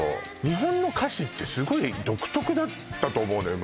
日本の歌詞ってすごい独特だったと思うのよ